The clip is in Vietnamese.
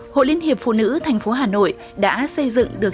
hội liên hiệp phụ nữ tp hà nội đã xây dựng được